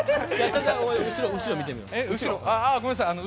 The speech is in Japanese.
後ろ見てみよ。